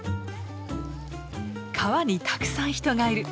川にたくさん人がいる。